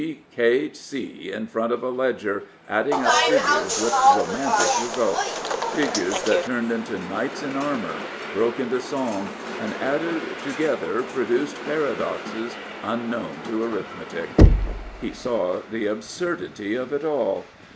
G. K. C. in front of a ledger, adding up figures with romantic results — figures that turned into knights in armour, broke into song, and, added together, produced paradoxes un known to arithmetic! He saw the absurdity of it all.